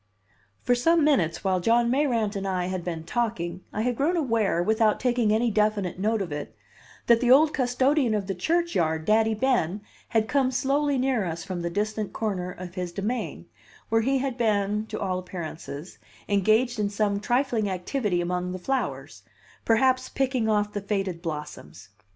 For some minutes, while John Mayrant and I had been talking, I had grown aware, without taking any definite note of it, that the old custodian of the churchyard, Daddy Ben, had come slowly near us from the distant corner of his demesne, where he had been (to all appearances) engaged in some trifling activity among the flowers perhaps picking off the faded blossoms.